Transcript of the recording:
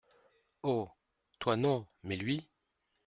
Oh ! toi, non, mais lui !…